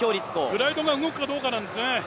グライドが動くかどうかなんですね。